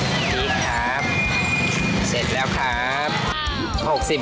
พริกครับเสร็จแล้วครับ